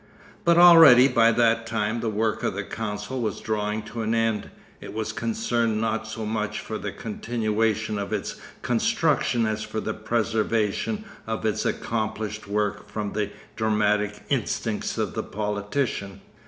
But already by that time the work of the council was drawing to an end. It was concerned not so much for the continuation of its construction as for the preservation of its accomplished work from the dramatic instincts of the politician.